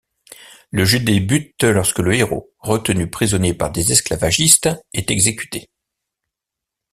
Le jeu débute lorsque le héros, retenu prisonnier par des esclavagistes, est exécuté.